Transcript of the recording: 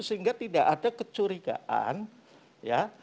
sehingga tidak ada kecurigaan ya